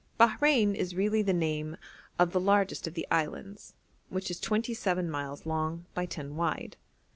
Bahrein is really the name of the largest of the islands, which is twenty seven miles long by ten wide.